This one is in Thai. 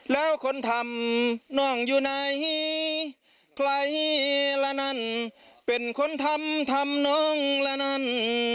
แล้วคนทำน้องอยู่ไหนใครละนั่นเป็นคนทำทำน้องละนั่น